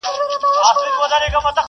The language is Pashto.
نجلۍ نه وه شاه پري وه ګلدسته وه!!